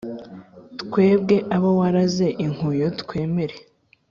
twebwe abo waraze inkuyo twemere,